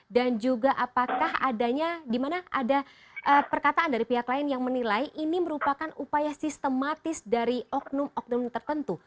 dan juga apakah adanya di mana ada perkataan dari pihak lain yang menilai ini merupakan upaya sistematis dari oknum oknum tertentu